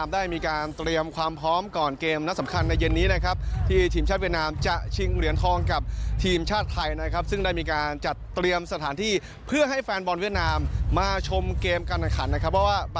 เดี๋ยวเราก็ไปติดตามกันได้เลยนะครับ